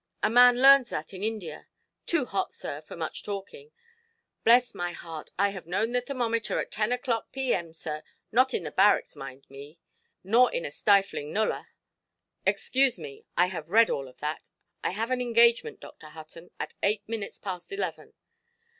A man learns that in India. Too hot, sir, for much talking. Bless my heart, I have known the thermometer at 10 oʼclock P.M., sir—not in the barracks, mind me, nor in a stifling nullah——" "Excuse me, I have read of all that. I have an engagement, Dr. Hutton, at eight minutes past eleven".